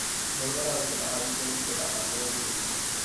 ভোরবেলা হইতে তাহার বুকের ভিতরটা কাঁপিয়া উঠিতেছিল।